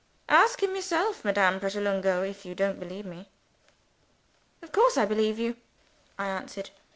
Ask him yourself, Madame Pratolungo, if you don't believe me." "Of course I believe you!" I answered.